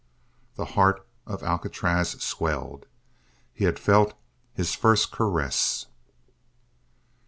The heart of Alcatraz swelled. He had felt his first caress.